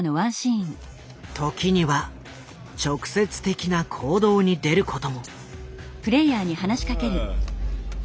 時には直接的な行動に出ることも。